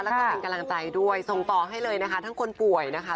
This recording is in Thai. แล้วก็เป็นกำลังใจด้วยส่งต่อให้เลยนะคะทั้งคนป่วยนะคะ